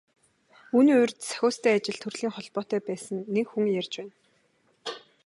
Үүний урьд Сахиустай ажил төрлийн холбоотой байсан нэг хүн ярьж байна.